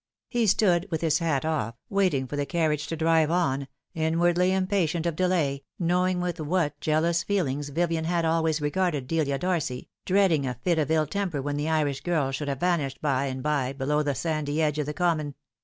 He stood with his hat off, waiting for the car riage to drive on, inwardly impatient of delay, knowing with what jealous feelings Vivien had always regarded Delia Darcy, dreading a fit of ill temper when the Irish girls should have vanished by and by below the sandy edge of the common.